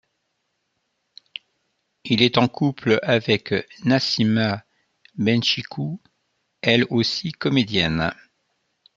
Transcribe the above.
Il est en couple avec Nassima Benchicou, elle aussi comédienne.